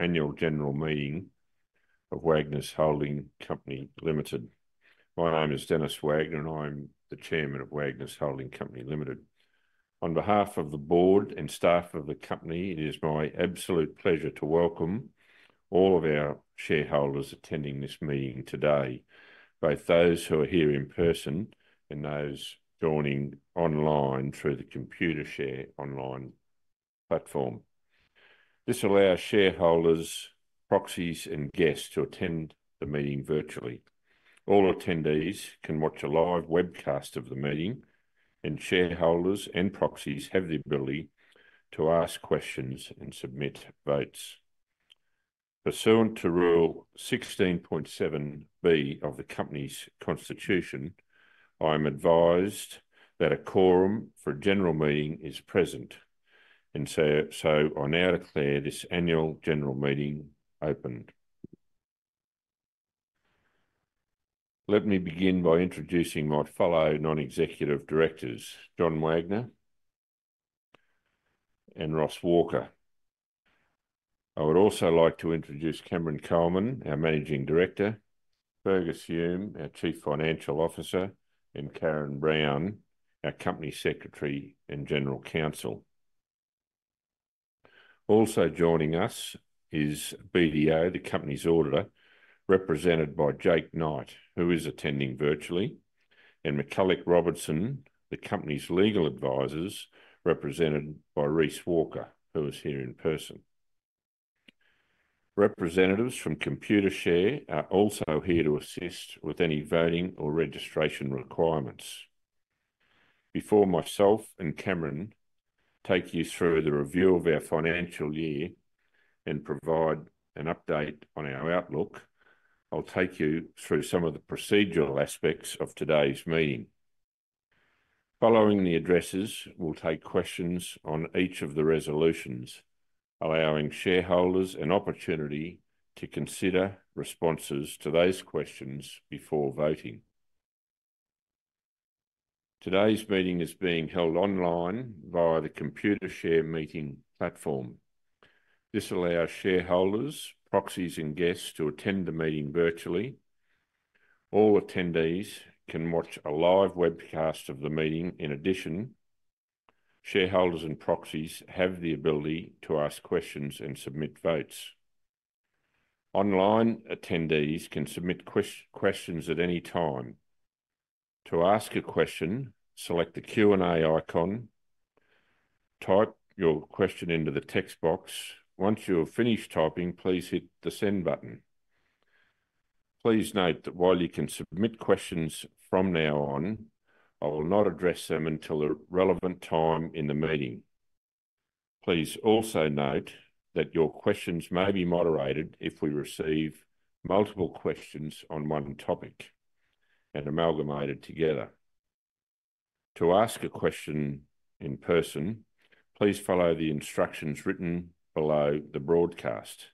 Annual General Meeting of Wagners Holding Company Limited. My name is Denis Wagner. I'm the Chairman of Wagners Holding Company Limited. On behalf of the board and staff of the company, it is my absolute pleasure to welcome all of our shareholders attending this meeting today, both those who are here in person and those joining online through the Computershare Online platform. This allows shareholders, proxies, and guests to attend the meeting virtually. All attendees can watch a live webcast of the meeting, and shareholders and proxies have the ability to ask questions and submit votes. Pursuant to Rule 16.7(b) of the company's constitution, I am advised that a quorum for a general meeting is present, and so I now declare this annual general meeting opened. Let me begin by introducing my fellow non-executive directors, John Wagner and Ross Walker. I would also like to introduce Cameron Coleman, our Managing Director, Fergus Hume, our Chief Financial Officer, and Karen Brown, our Company Secretary and General Counsel. Also joining us is BDO, the company's auditor, represented by Jake Knight, who is attending virtually, and McCullough Robertson, the company's legal advisers, represented by Reece Walker, who is here in person. Representatives from Computershare are also here to assist with any voting or registration requirements. Before myself and Cameron take you through the review of our financial year and provide an update on our outlook, I'll take you through some of the procedural aspects of today's meeting. Following the addresses, we'll take questions on each of the resolutions, allowing shareholders an opportunity to consider responses to those questions before voting. Today's meeting is being held online via the Computershare Meeting platform. This allows shareholders, proxies, and guests to attend the meeting virtually. All attendees can watch a live webcast of the meeting. In addition, shareholders and proxies have the ability to ask questions and submit votes. Online attendees can submit questions at any time. To ask a question, select the Q&A icon. Type your question into the text box. Once you have finished typing, please hit the Send button. Please note that while you can submit questions from now on, I will not address them until a relevant time in the meeting. Please also note that your questions may be moderated if we receive multiple questions on one topic and amalgamated together. To ask a question in person, please follow the instructions written below the broadcast.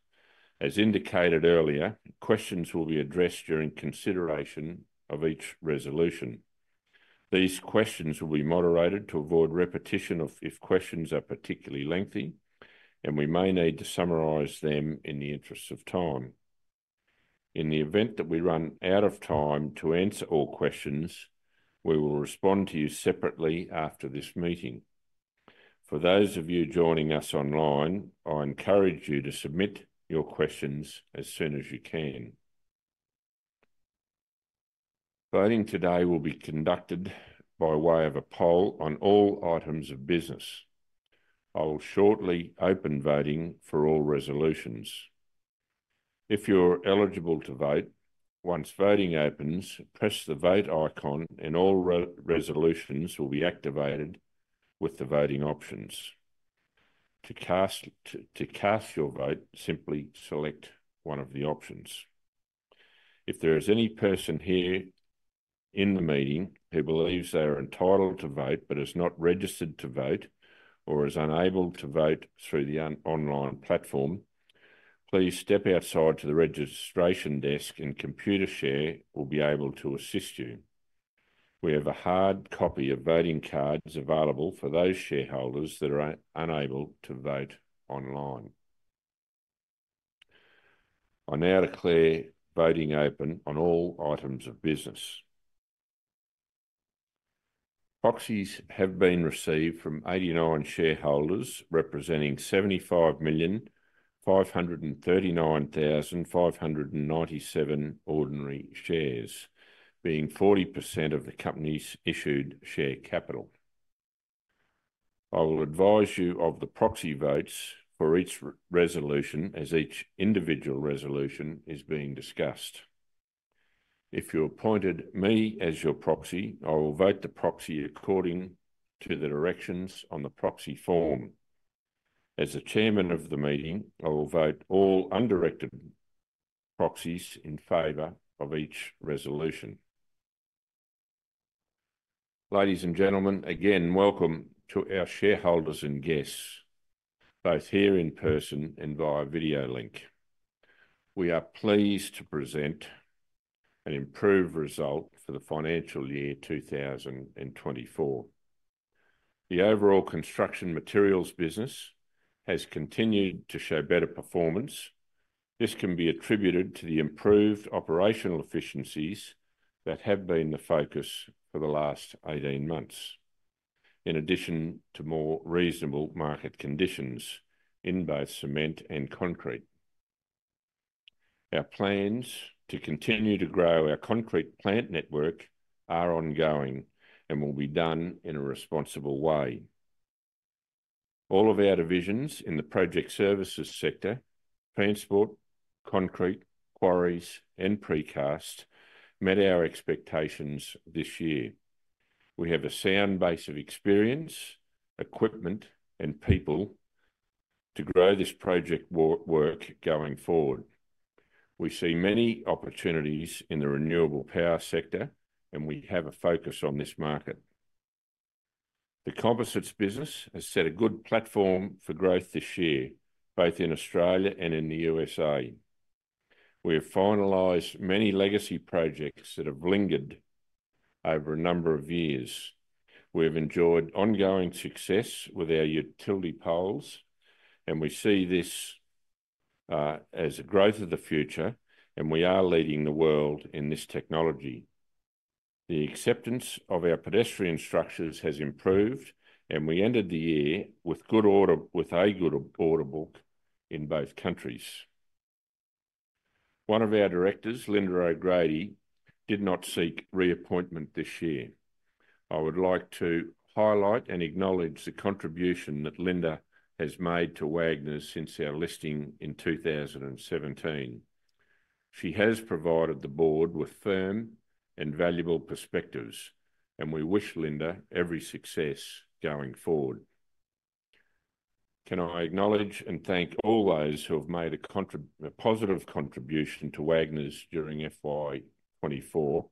As indicated earlier, questions will be addressed during consideration of each resolution. These questions will be moderated to avoid repetition if questions are particularly lengthy, and we may need to summarize them in the interest of time. In the event that we run out of time to answer all questions, we will respond to you separately after this meeting. For those of you joining us online, I encourage you to submit your questions as soon as you can. Voting today will be conducted by way of a poll on all items of business. I will shortly open voting for all resolutions. If you're eligible to vote, once voting opens, press the Vote icon, and all resolutions will be activated with the voting options. To cast your vote, simply select one of the options. If there is any person here in the meeting who believes they are entitled to vote but is not registered to vote or is unable to vote through the online platform, please step outside to the registration desk, and Computershare will be able to assist you. We have a hard copy of voting cards available for those shareholders that are unable to vote online. I now declare voting open on all items of business. Proxies have been received from 89 shareholders representing 75,539,597 ordinary shares, being 40% of the company's issued share capital. I will advise you of the proxy votes for each resolution as each individual resolution is being discussed. If you appointed me as your proxy, I will vote the proxy according to the directions on the proxy form. As the Chairman of the meeting, I will vote all undirected proxies in favor of each resolution. Ladies and gentlemen, again, welcome to our shareholders and guests, both here in person and via video link. We are pleased to present an improved result for the Financial Year 2024. The overall construction materials business has continued to show better performance. This can be attributed to the improved operational efficiencies that have been the focus for the last 18 months, in addition to more reasonable market conditions in both cement and concrete. Our plans to continue to grow our concrete plant network are ongoing and will be done in a responsible way. All of our divisions in the Project Services sector (transport, concrete, quarries, and precast) met our expectations this year. We have a sound base of experience, equipment, and people to grow this project work going forward. We see many opportunities in the renewable power sector, and we have a focus on this market. The composites business has set a good platform for growth this year, both in Australia and in the USA. We have finalized many legacy projects that have lingered over a number of years. We have enjoyed ongoing success with our utility poles, and we see this as a growth of the future, and we are leading the world in this technology. The acceptance of our pedestrian structures has improved, and we ended the year with a good order book in both countries. One of our directors, Lynda O'Grady, did not seek reappointment this year. I would like to highlight and acknowledge the contribution that Lynda has made to Wagners since our listing in 2017. She has provided the board with firm and valuable perspectives, and we wish Lynda every success going forward. Can I acknowledge and thank all those who have made a positive contribution to Wagners during FY24,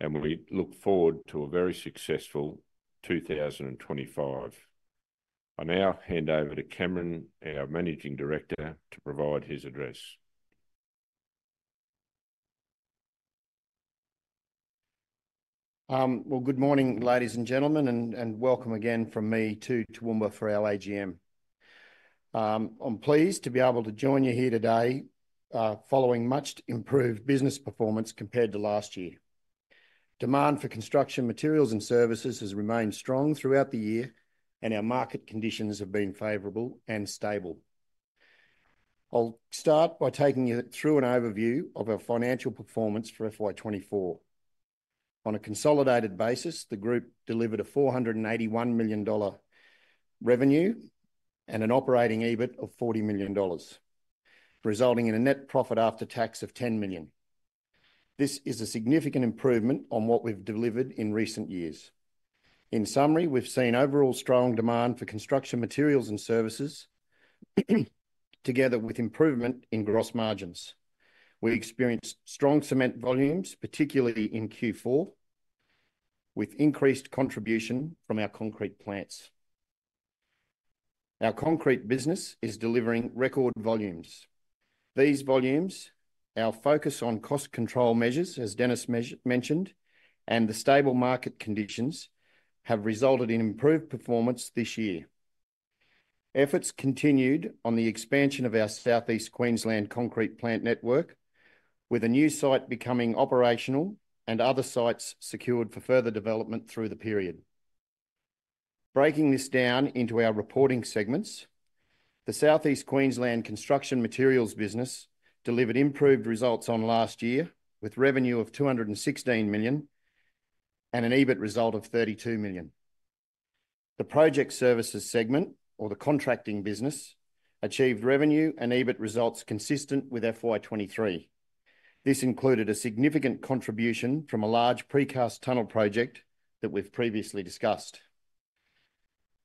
and we look forward to a very successful 2025. I now hand over to Cameron, our Managing Director, to provide his address. Well, good morning, ladies and gentlemen, and welcome again from me, too, to Toowoomba for the AGM. I'm pleased to be able to join you here today following much improved business performance compared to last year. Demand for construction materials and services has remained strong throughout the year, and our market conditions have been favorable and stable. I'll start by taking you through an overview of our financial performance for FY24. On a consolidated basis, the group delivered 481 million dollar revenue and an operating EBIT of 40 million dollars, resulting in a net profit after tax of 10 million. This is a significant improvement on what we've delivered in recent years. In summary, we've seen overall strong demand for construction materials and services, together with improvement in gross margins. We experienced strong cement volumes, particularly in Q4, with increased contribution from our concrete plants. Our concrete business is delivering record volumes. These volumes, our focus on cost control measures, as Denis mentioned, and the stable market conditions have resulted in improved performance this year. Efforts continued on the expansion of our South East Queensland concrete plant network, with a new site becoming operational and other sites secured for further development through the period. Breaking this down into our reporting segments, the South East Queensland construction materials business delivered improved results on last year, with revenue of 216 million and an EBIT result of 32 million. The project services segment, or the contracting business, achieved revenue and EBIT results consistent with FY23. This included a significant contribution from a large precast tunnel project that we've previously discussed.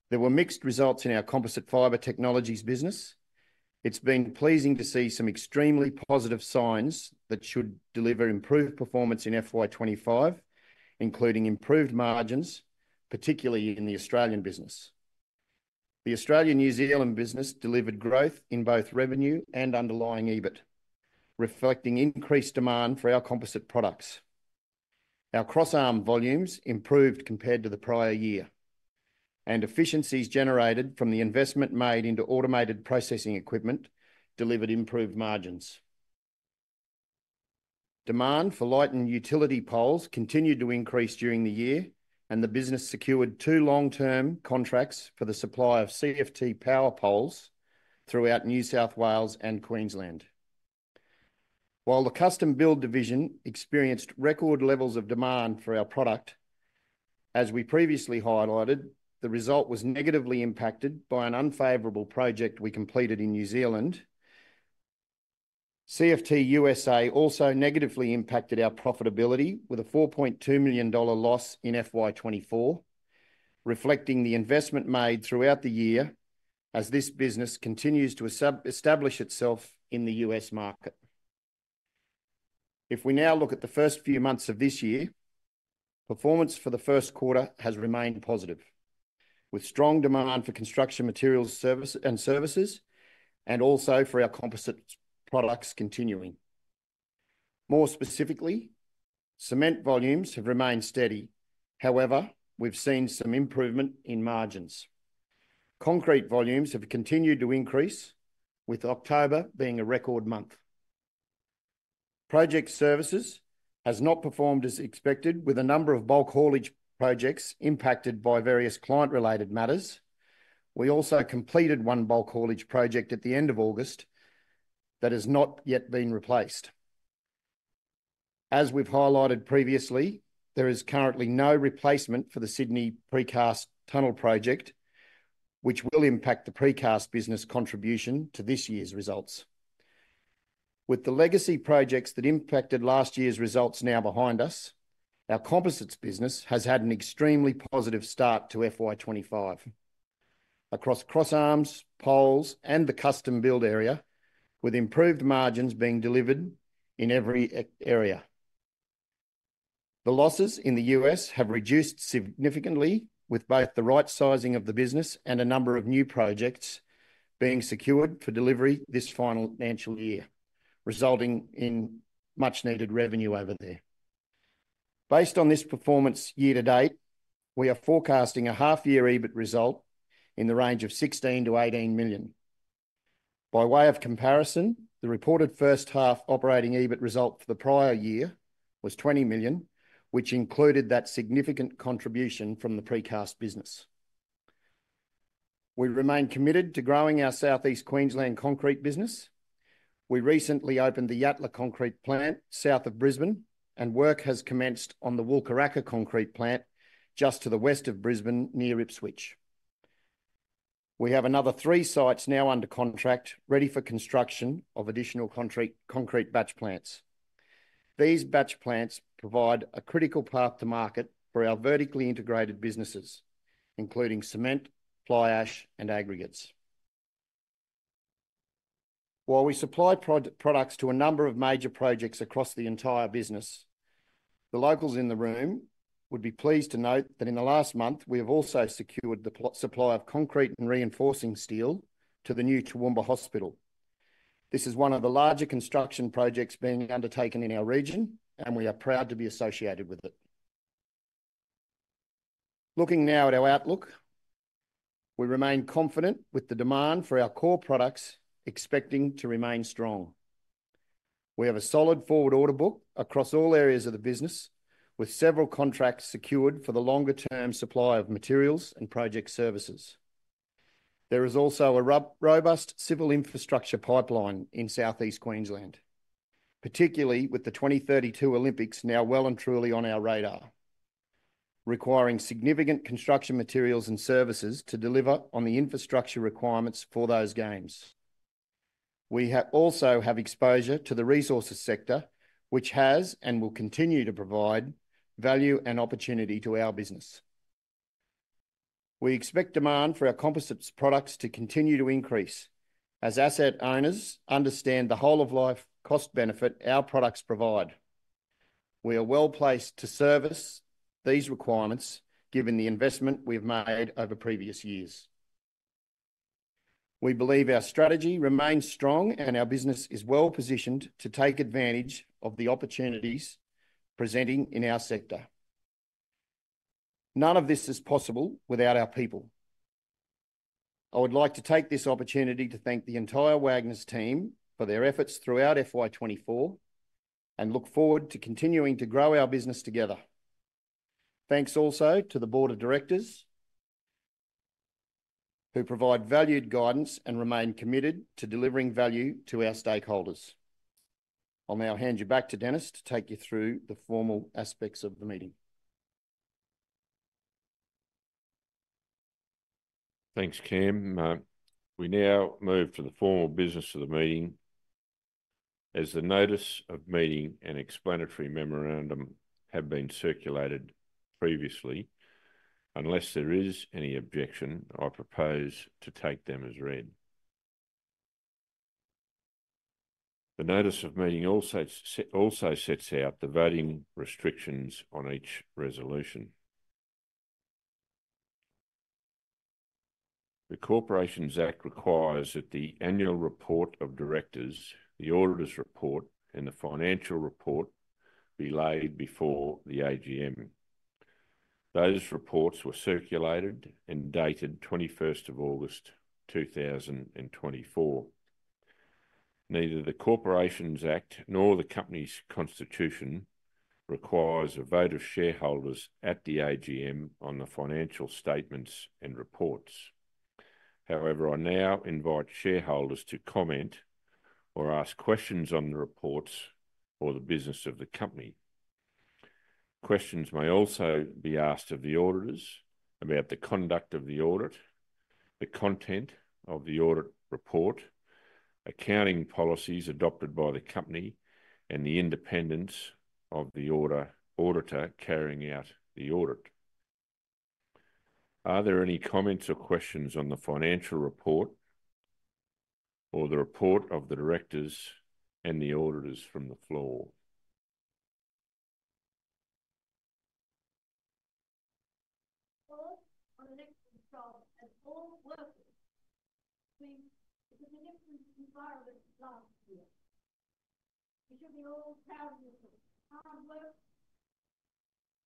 There were mixed results in our Composite Fibre Technologies business. It's been pleasing to see some extremely positive signs that should deliver improved performance in FY25, including improved margins, particularly in the Australian business. The Australian New Zealand business delivered growth in both revenue and underlying EBIT, reflecting increased demand for our composite products. Our crossarm volumes improved compared to the prior year, and efficiencies generated from the investment made into automated processing equipment delivered improved margins. Demand for light and utility poles continued to increase during the year, and the business secured two long-term contracts for the supply of CFT power poles throughout New South Wales and Queensland. While the Custom Build division experienced record levels of demand for our product, as we previously highlighted, the result was negatively impacted by an unfavorable project we completed in New Zealand. CFT USA also negatively impacted our profitability with a 4.2 million dollar loss in FY24, reflecting the investment made throughout the year as this business continues to establish itself in the U.S. market. If we now look at the first few months of this year, performance for the first quarter has remained positive, with strong demand for construction materials and services and also for our composite products continuing. More specifically, cement volumes have remained steady. However, we've seen some improvement in margins. Concrete volumes have continued to increase, with October being a record month. Project services has not performed as expected, with a number of bulk haulage projects impacted by various client-related matters. We also completed one bulk haulage project at the end of August that has not yet been replaced. As we've highlighted previously, there is currently no replacement for the Sydney precast tunnel project, which will impact the precast business contribution to this year's results. With the legacy projects that impacted last year's results now behind us, our composites business has had an extremely positive start to FY25 across crossarms, poles, and the Custom Build area, with improved margins being delivered in every area. The losses in the U.S. have reduced significantly, with both the right sizing of the business and a number of new projects being secured for delivery this financial year, resulting in much-needed revenue over there. Based on this performance year to date, we are forecasting a half-year EBIT result in the range of 16 million to 18 million. By way of comparison, the reported first-half operating EBIT result for the prior year was 20 million, which included that significant contribution from the precast business. We remain committed to growing our South East Queensland concrete business. We recently opened the Yatala Concrete Plant south of Brisbane, and work has commenced on the Wacol Concrete Plant just to the west of Brisbane near Ipswich. We have another three sites now under contract, ready for construction of additional concrete batch plants. These batch plants provide a critical path to market for our vertically integrated businesses, including cement, fly ash, and aggregates. While we supply products to a number of major projects across the entire business, the locals in the room would be pleased to note that in the last month, we have also secured the supply of concrete and reinforcing steel to the new Toowoomba Hospital. This is one of the larger construction projects being undertaken in our region, and we are proud to be associated with it. Looking now at our outlook, we remain confident with the demand for our core products expecting to remain strong. We have a solid forward order book across all areas of the business, with several contracts secured for the longer-term supply of materials and project services. There is also a robust civil infrastructure pipeline in South East Queensland, particularly with the 2032 Olympics now well and truly on our radar, requiring significant construction materials and services to deliver on the infrastructure requirements for those games. We also have exposure to the resources sector, which has and will continue to provide value and opportunity to our business. We expect demand for our composites products to continue to increase as asset owners understand the whole-of-life cost benefit our products provide. We are well placed to service these requirements given the investment we've made over previous years. We believe our strategy remains strong and our business is well positioned to take advantage of the opportunities presenting in our sector. None of this is possible without our people. I would like to take this opportunity to thank the entire Wagners team for their efforts throughout FY24 and look forward to continuing to grow our business together. Thanks also to the board of directors who provide valued guidance and remain committed to delivering value to our stakeholders. I'll now hand you back to Denis to take you through the formal aspects of the meeting. Thanks, Cam. We now move to the formal business of the meeting. As the notice of meeting and explanatory memorandum have been circulated previously, unless there is any objection, I propose to take them as read. The notice of meeting also sets out the voting restrictions on each resolution. The Corporations Act requires that the annual report of directors, the auditor's report, and the financial report be laid before the AGM. Those reports were circulated and dated 21st of August 2024. Neither the Corporations Act nor the company's constitution requires a vote of shareholders at the AGM on the financial statements and reports. However, I now invite shareholders to comment or ask questions on the reports or the business of the company. Questions may also be asked of the auditors about the conduct of the audit, the content of the audit report, accounting policies adopted by the company, and the independence of the auditor carrying out the audit. Are there any comments or questions on the financial report or the report of the directors and the auditors from the floor? You've done an excellent job, all workers.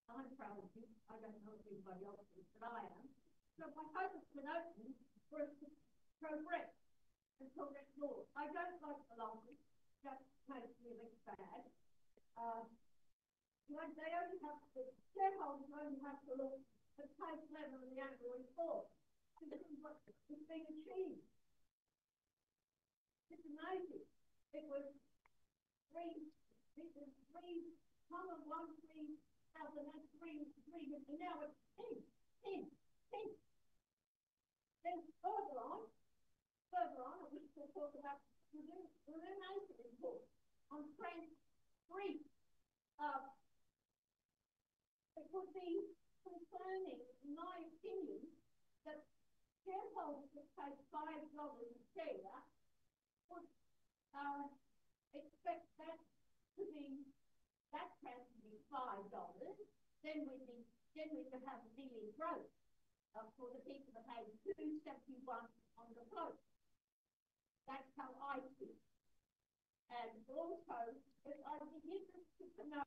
I think it was a different environment last year. We should all be proud of your hard work. I'm proud of you. I don't know if anybody else is, but I am. So my hope is to be open for progress until next year. I don't like the logic. That makes me look bad. Shareholders only have to look at the cash flow level of the annual report. This is what is being achieved. It's amazing. It was 3.13 thousand and 3 and 3, and now it's 10, 10, 10. There's further on, I wish to talk about the remaining report on the free cash flow. It would be concerning, in my opinion, that shareholders would pay AUD 5 a share would expect that to be that equity to be AUD 5. We would have a dilution for the people that paid AUD 2.71 on the quote. That's how I see it. And also, I'd like to know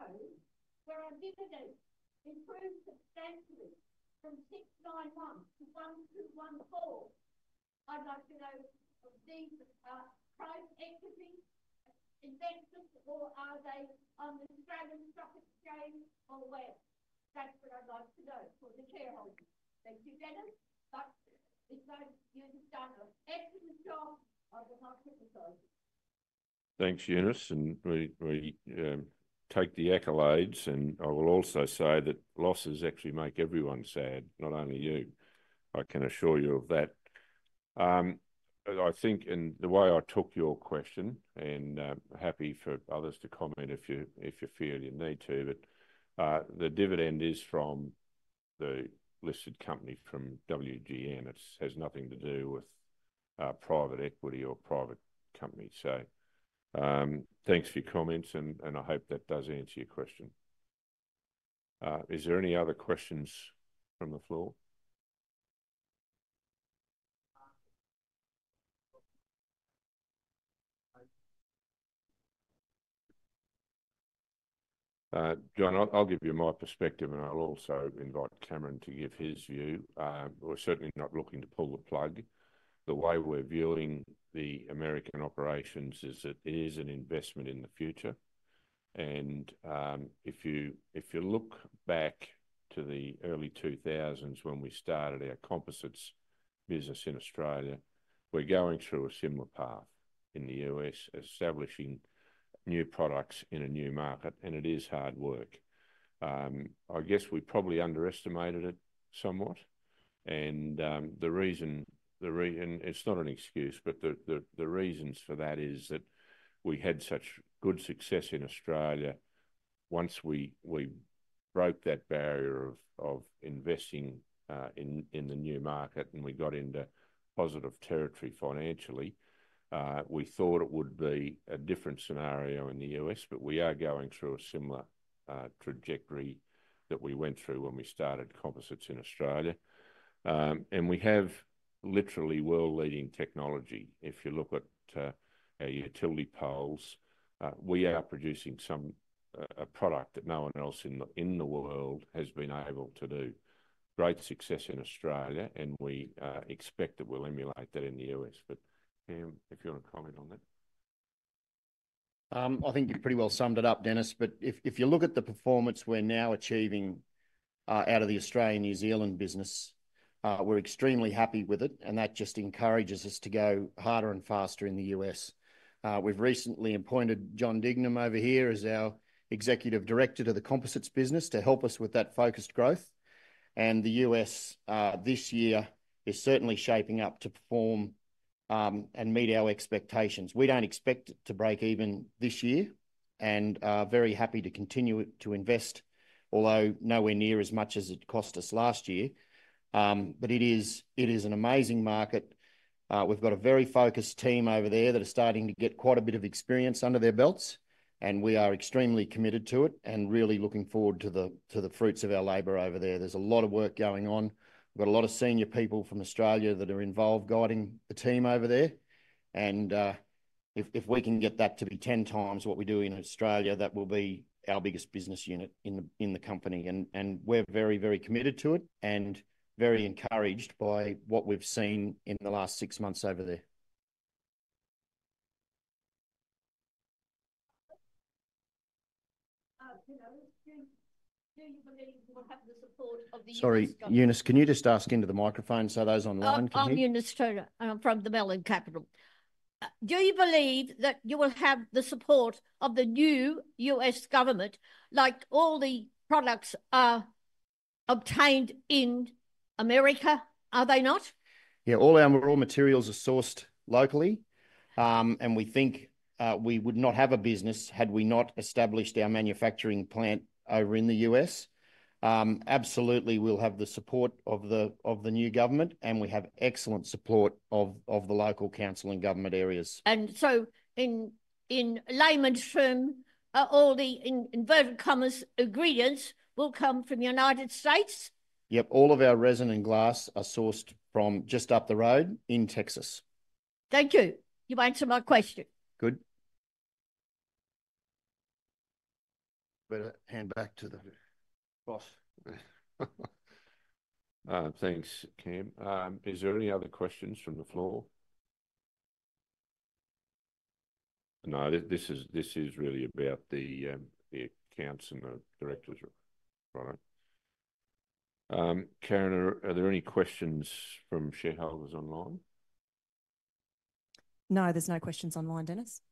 where our dividend improved substantially from 6.9% to 12.14%. I'd like to know of these private equity investors or are they on the Australian stock exchange or where? That's what I'd like to know for the shareholders. Thank you, Denis. But it's nice you understand us. Excellent job. I would like to appreciate it. Thanks, Eunice. And we take the accolades. And I will also say that losses actually make everyone sad, not only you. I can assure you of that. I think in the way I took your question, and happy for others to comment if you feel you need to, but the dividend is from the listed company from WGN. It has nothing to do with private equity or private company. So thanks for your comments, and I hope that does answer your question. Is there any other questions from the floor? Joan, I'll give you my perspective, and I'll also invite Cameron to give his view. We're certainly not looking to pull the plug. The way we're viewing the American operations is that it is an investment in the future. And if you look back to the early 2000s when we started our composites business in Australia, we're going through a similar path in the U.S., establishing new products in a new market, and it is hard work. I guess we probably underestimated it somewhat. And the reason, and it's not an excuse, but the reasons for that is that we had such good success in Australia once we broke that barrier of investing in the new market and we got into positive territory financially. We thought it would be a different scenario in the U.S., but we are going through a similar trajectory that we went through when we started composites in Australia. And we have literally world-leading technology. If you look at our utility poles, we are producing a product that no one else in the world has been able to do. Great success in Australia, and we expect that we'll emulate that in the U.S. But Cam, if you want to comment on that. I think you've pretty well summed it up, Denis. But if you look at the performance we're now achieving out of the Australia-New Zealand business, we're extremely happy with it, and that just encourages us to go harder and faster in the U.S. We've recently appointed John Dignam over here as our Executive Director to the composites business to help us with that focused growth. And the U.S. this year is certainly shaping up to perform and meet our expectations. We don't expect it to break even this year, and very happy to continue to invest, although nowhere near as much as it cost us last year. But it is an amazing market. We've got a very focused team over there that are starting to get quite a bit of experience under their belts, and we are extremely committed to it and really looking forward to the fruits of our labor over there. There's a lot of work going on. We've got a lot of senior people from Australia that are involved guiding the team over there. And if we can get that to be ten times what we do in Australia, that will be our biggest business unit in the company. And we're very, very committed to it and very encouraged by what we've seen in the last six months over there. Do you believe you will have the support of the U.S government? Sorry, Eunice, can you just ask into the microphone so those online can hear? I'm Eunice Turner from the Mellon Capital. Do you believe that you will have the support of the new U.S. government like all the products are obtained in America? Are they not? Yeah, all our raw materials are sourced locally, and we think we would not have a business had we not established our manufacturing plant over in the U.S. Absolutely, we'll have the support of the new government, and we have excellent support of the local council and government areas. In layman's term, all the inverted commas ingredients will come from the United States? Yep, all of our resin and glass are sourced from just up the road in Texas. Thank you. You've answered my question. Good. Better hand back to the boss. Thanks, Cam. Is there any other questions from the floor? No, this is really about the accounts and the directors' report. Karen, are there any questions from shareholders online? No, there's no questions online, Denis.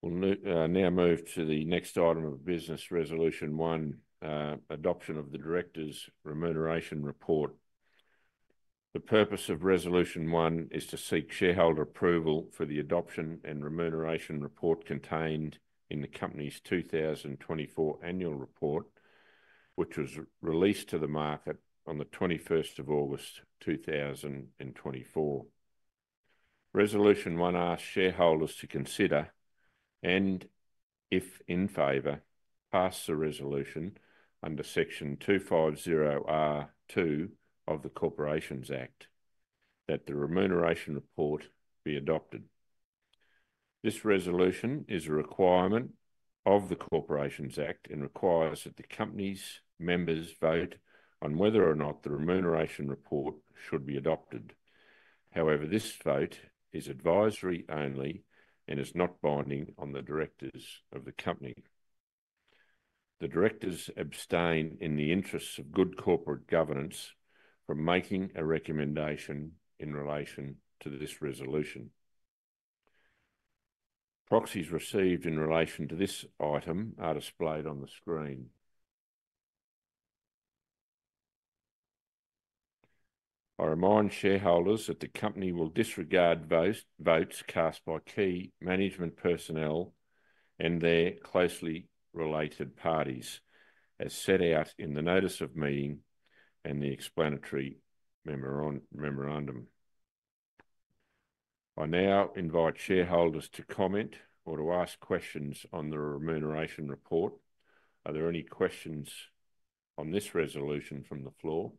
We'll now move to the next item of business, Resolution 1, Adoption of the Directors' Remuneration Report. The purpose of Resolution 1 is to seek shareholder approval for the adoption and remuneration report contained in the company's 2024 annual report, which was released to the market on the 21st of August 2024. Resolution 1 asks shareholders to consider, and if in favor, pass the resolution under Section 250R(2) of the Corporations Act that the remuneration report be adopted. This resolution is a requirement of the Corporations Act and requires that the company's members vote on whether or not the remuneration report should be adopted. However, this vote is advisory only and is not binding on the directors of the company. The directors abstain in the interests of good corporate governance from making a recommendation in relation to this resolution. Proxies received in relation to this item are displayed on the screen. I remind shareholders that the company will disregard votes cast by Key Management Personnel and their closely related parties, as set out in the notice of meeting and the explanatory memorandum. I now invite shareholders to comment or to ask questions on the remuneration report. Are there any questions on this resolution from the floor?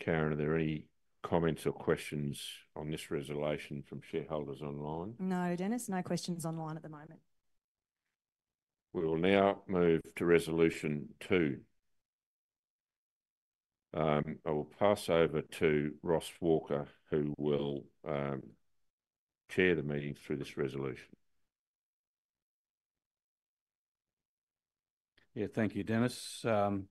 Karen, are there any comments or questions on this resolution from shareholders online? No, Denis, no questions online at the moment. We will now move to Resolution 2. I will pass over to Ross Walker, who will chair the meeting through this resolution. Yeah, thank you, Denis. Good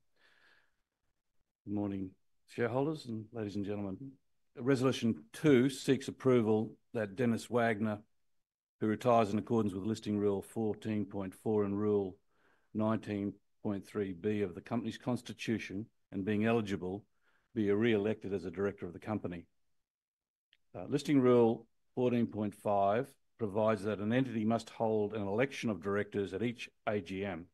morning, shareholders and ladies and gentlemen. Resolution 2 seeks approval that Denis Wagner, who retires in accordance with Listing Rule 14.4 and Rule 19.3(b) of the company's Constitution and being eligible, be re-elected as a director of the company. Listing Rule 14.5 provides that an entity must hold an election of directors at each AGM.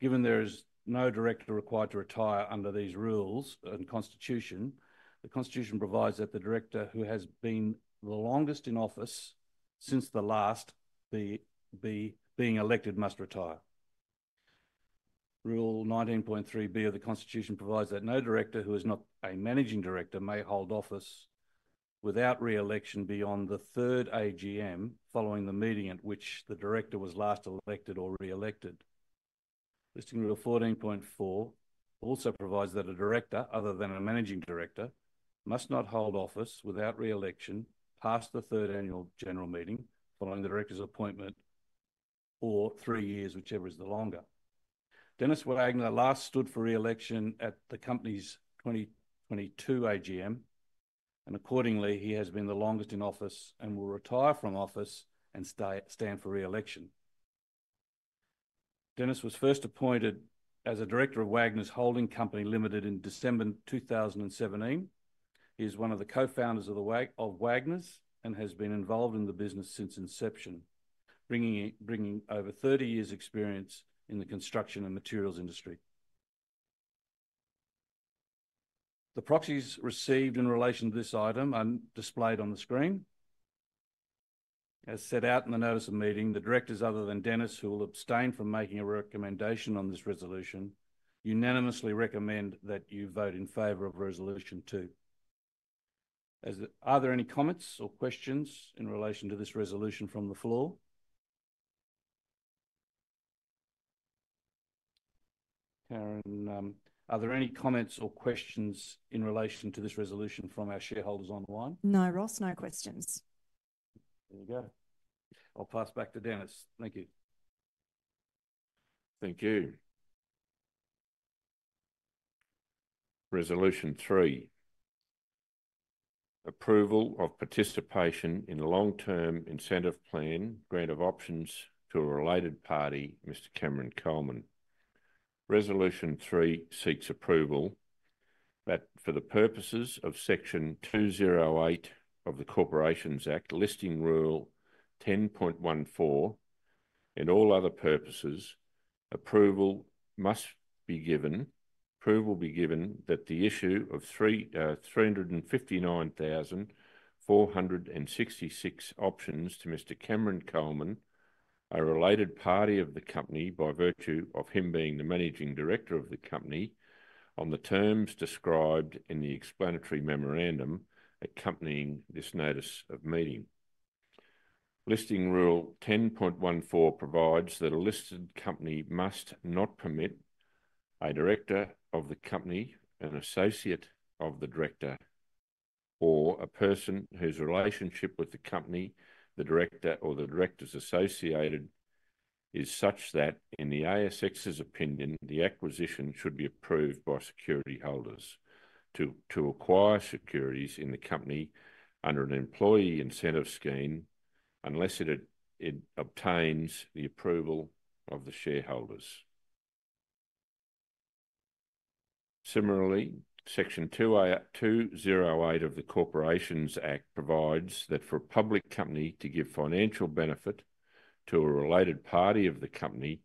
Given there is no director required to retire under these rules and Constitution, the Constitution provides that the director who has been the longest in office since the last being elected must retire. Rule 19.3(b) of the Constitution provides that no director who is not a managing director may hold office without re-election beyond the third AGM following the meeting at which the director was last elected or re-elected. Listing Rule 14.4 also provides that a director, other than a managing director, must not hold office without re-election past the third annual general meeting following the director's appointment or three years, whichever is the longer. Denis Wagner last stood for re-election at the company's 2022 AGM, and accordingly, he has been the longest in office and will retire from office and stand for re-election. Denis was first appointed as a director of Wagners Holding Company Limited in December 2017. He is one of the co-founders of Wagners and has been involved in the business since inception, bringing over 30 years' experience in the construction and materials industry. The proxies received in relation to this item are displayed on the screen. As set out in the notice of meeting, the directors, other than Denis, who will abstain from making a recommendation on this resolution, unanimously recommend that you vote in favor of Resolution 2. Are there any comments or questions in relation to this resolution from the floor? Karen, are there any comments or questions in relation to this resolution from our shareholders online? No, Ross, no questions. There you go. I'll pass back to Denis. Thank you. Thank you. Resolution 3, Approval of Participation in Long-Term Incentive Plan, Grant of Options to a Related Party, Mr. Cameron Coleman. Resolution 3 seeks approval that for the purposes of Section 208 of the Corporations Act, Listing Rule 10.14, and all other purposes, approval must be given that the issue of 359,466 options to Mr. Cameron Coleman, a related party of the company by virtue of him being the managing director of the company on the terms described in the explanatory memorandum accompanying this notice of meeting. Listing Rule 10.14 provides that a listed company must not permit a director of the company, an associate of the director, or a person whose relationship with the company, the director, or the directors associated is such that, in the ASX's opinion, the acquisition should be approved by security holders to acquire securities in the company under an employee incentive scheme unless it obtains the approval of the shareholders. Similarly, Section 208 of the Corporations Act provides that for a public company to give financial benefit to a related party of the company,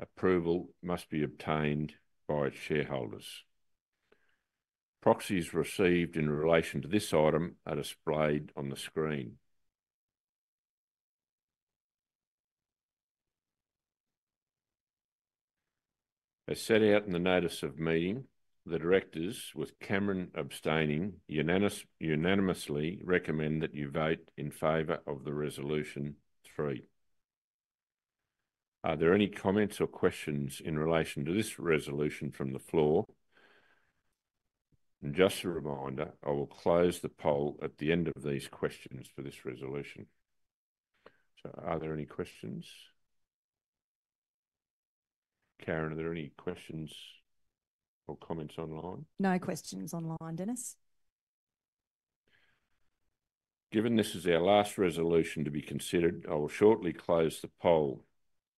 approval must be obtained by its shareholders. Proxies received in relation to this item are displayed on the screen. As set out in the notice of meeting, the directors, with Cameron abstaining, unanimously recommend that you vote in favor of Resolution 3. Are there any comments or questions in relation to this resolution from the floor? Just a reminder, I will close the poll at the end of these questions for this resolution. Are there any questions? Karen, are there any questions or comments online? No questions online, Denis. Given this is our last resolution to be considered, I will shortly close the poll.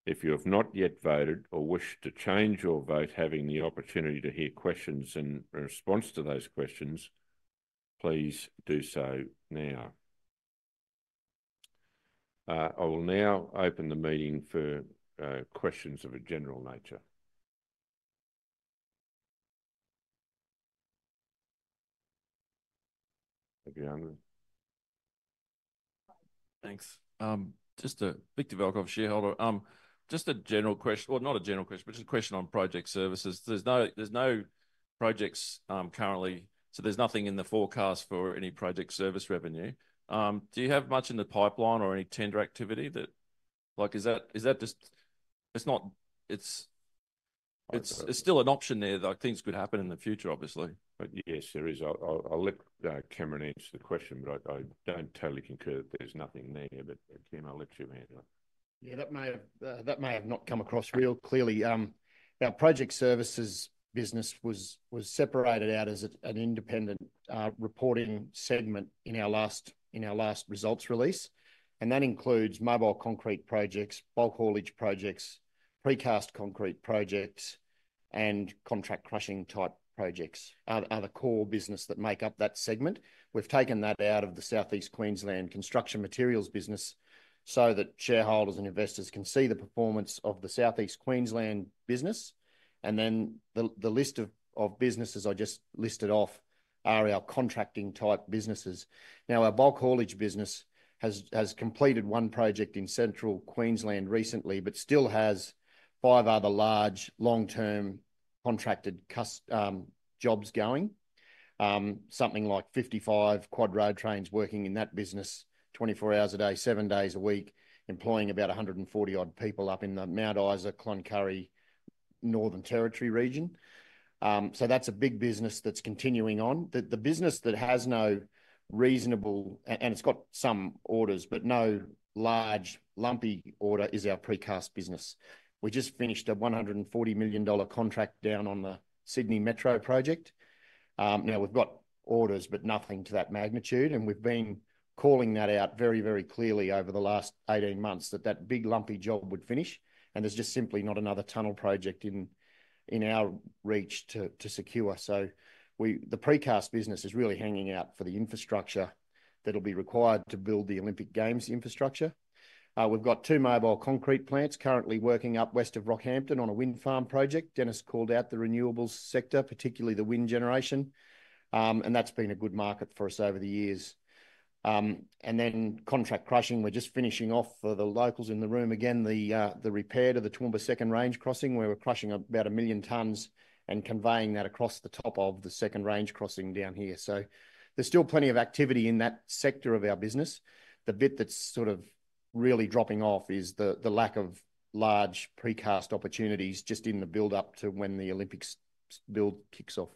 If you have not yet voted or wish to change your vote, having the opportunity to hear questions and respond to those questions, please do so now. I will now open the meeting for questions of a general nature. Have you answered? Thanks. Just a big developer, shareholder. Just a general question, or not a general question, but just a question on project services. There's no projects currently, so there's nothing in the forecast for any project service revenue. Do you have much in the pipeline or any tender activity that, like, is that just, it's not, it's still an option there, like things could happen in the future, obviously. Yes, there is. I'll let Cameron answer the question, but I don't totally concur that there's nothing there, but Cam, I'll let you answer. Yeah, that may have not come across real clearly. Our project services business was separated out as an independent reporting segment in our last results release. And that includes mobile concrete projects, bulk haulage projects, precast concrete projects, and contract crushing type projects are the core business that make up that segment. We've taken that out of the South East Queensland construction materials business so that shareholders and investors can see the performance of the South East Queensland business. And then the list of businesses I just listed off are our contracting type businesses. Now, our bulk haulage business has completed one project in Central Queensland recently, but still has five other large long-term contracted jobs going, something like 55 quad road trains working in that business 24 hours a day, seven days a week, employing about 140-odd people up in the Mount Isa/Cloncurry Northern Territory region. So that's a big business that's continuing on. The business that has no reasonable, and it's got some orders, but no large, lumpy order, is our precast business. We just finished a 140 million dollar contract down on the Sydney Metro project. Now, we've got orders, but nothing to that magnitude. And we've been calling that out very, very clearly over the last 18 months that that big lumpy job would finish. And there's just simply not another tunnel project in our reach to secure. So the precast business is really hanging out for the infrastructure that'll be required to build the Olympic Games infrastructure. We've got two mobile concrete plants currently working up west of Rockhampton on a wind farm project. Denis called out the renewables sector, particularly the wind generation. And that's been a good market for us over the years. Then contract crushing, we're just finishing off for the locals in the room. Again, the repair to the Toowoomba Second Range Crossing, we were crushing about a million tons and conveying that across the top of the Second Range Crossing down here, so there's still plenty of activity in that sector of our business. The bit that's sort of really dropping off is the lack of large precast opportunities just in the build-up to when the Olympics build kicks off.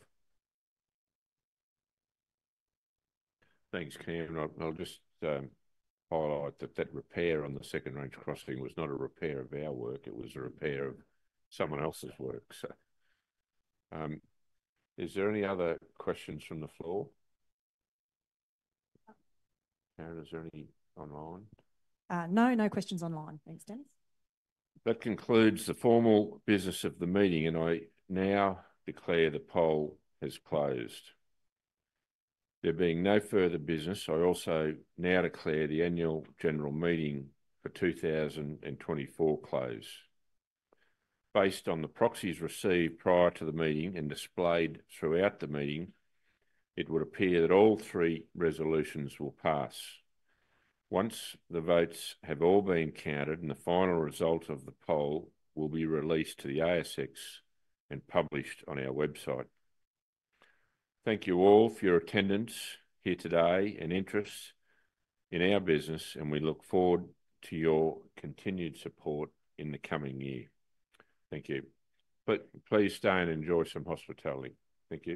Thanks, Cam. I'll just highlight that that repair on the Second Range Crossing was not a repair of our work. It was a repair of someone else's work. Is there any other questions from the floor? Karen, is there any online? No, no questions online. Thanks, Denis. That concludes the formal business of the meeting, and I now declare the poll has closed. There being no further business, I also now declare the Annual General Meeting for 2024 closed. Based on the proxies received prior to the meeting and displayed throughout the meeting, it would appear that all three resolutions will pass. Once the votes have all been counted, the final result of the poll will be released to the ASX and published on our website. Thank you all for your attendance here today and interest in our business, and we look forward to your continued support in the coming year. Thank you. But please stay and enjoy some hospitality. Thank you.